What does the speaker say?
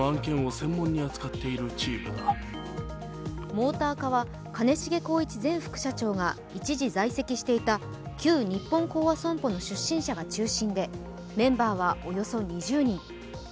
モーター課は兼重宏一前副社長が一時、在籍していた旧日本興亜損保の出身者が中心で、メンバーはおよそ２０人。